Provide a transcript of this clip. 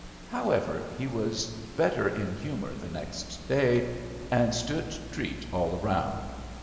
However, he was better in humour the next day, and stood treat all round.